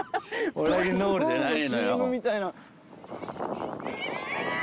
ボラギノールじゃないのよ。